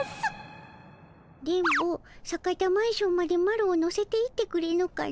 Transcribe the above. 電ボ坂田マンションまでマロを乗せていってくれぬかの。